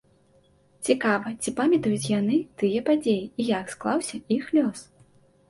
Цікава, ці памятаюць яны тыя падзеі і як склаўся іх лёс?